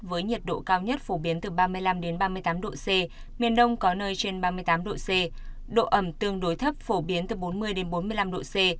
với nhiệt độ cao nhất phổ biến từ ba mươi năm ba mươi tám độ c miền đông có nơi trên ba mươi tám độ c độ ẩm tương đối thấp phổ biến từ bốn mươi bốn mươi năm độ c